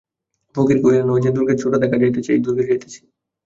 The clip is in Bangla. ফকির কহিলেন, ঐ যে দুর্গের চূড়া দেখা যাইতেছে, ঐ দুর্গে যাইতেছি।